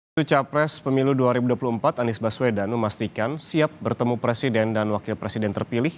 itu capres pemilu dua ribu dua puluh empat anies baswedan memastikan siap bertemu presiden dan wakil presiden terpilih